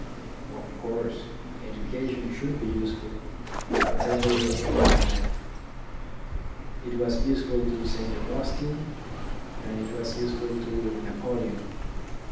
Of course, education should be useful, whatever your aim in life. It was useful to Saint Augustine and it was useful to Napoleon.